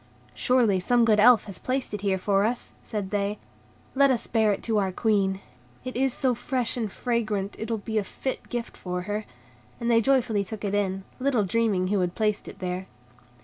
"Surely, some good Elf has placed it here for us," said they; "let us bear it to our Queen; it is so fresh and fragrant it will be a fit gift for her"; and they joyfully took it in, little dreaming who had placed it there.